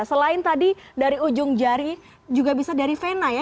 selain tadi dari ujung jari juga bisa dari vena ya